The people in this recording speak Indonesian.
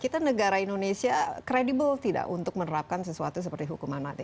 kita negara indonesia kredibel tidak untuk menerapkan sesuatu seperti hukuman mati